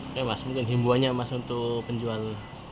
oke mas mungkin himbuannya mas untuk penjual